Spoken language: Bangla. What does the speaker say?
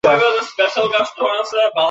কেন ভাবে না বলুন তো?